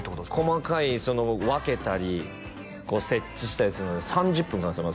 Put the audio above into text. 細かい分けたり設置したりするので３０分かかるんですよ